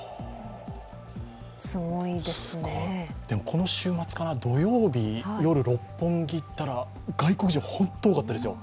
この週末かな、土曜日、夜、六本木に行ったら外国人が本当に多かったですよ。